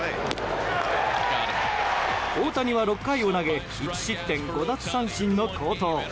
大谷は６回を投げ１失点５奪三振の好投。